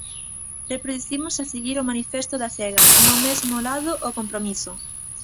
Reproducimos a seguir o manifesto da Sega: "No mesmo lado, o compromiso".